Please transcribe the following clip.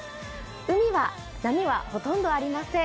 海は波はほとんどありません